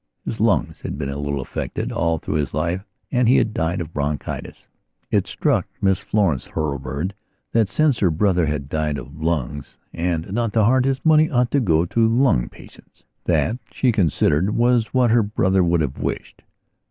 His lungs had been a little affected all through his life and he had died of bronchitis. It struck Miss Florence Hurlbird that, since her brother had died of lungs and not of heart, his money ought to go to lung patients. That, she considered, was what her brother would have wished.